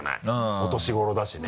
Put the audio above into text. お年頃だしね。